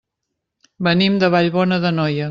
Venim de Vallbona d'Anoia.